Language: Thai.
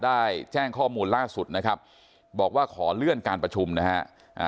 ได้แจ้งข้อมูลล่าสุดนะครับบอกว่าขอเลื่อนการประชุมนะฮะ